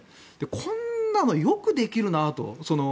こんなのよくできるなと。